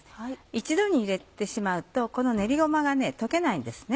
一度に入れてしまうとこの練りごまが溶けないんですね。